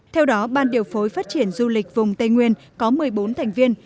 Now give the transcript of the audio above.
theo đó ban điều phối phát triển du lịch vùng tây nguyên có một mươi bốn thành viên